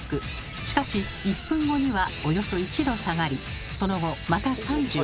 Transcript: しかし１分後にはおよそ１℃下がりその後また３６℃に。